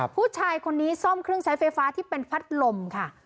ผู้ชายคนนี้ซ่อมเครื่องใช้ไฟฟ้าที่เป็นพัดลมค่ะ